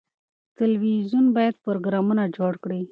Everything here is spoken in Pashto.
تلویزیون باید پروګرامونه جوړ کړي.